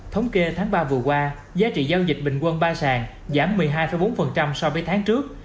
thống kê tháng ba vừa qua giá trị giao dịch bình quân ba sàn giảm một mươi hai bốn so với tháng trước